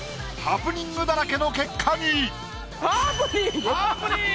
ハプニングだらけの結果に！